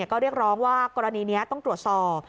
ก็เรียกร้องว่ากรณีนี้ต้องตรวจสอบ